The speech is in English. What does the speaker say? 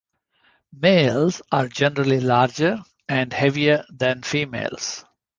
Males are generally larger and heavier than females.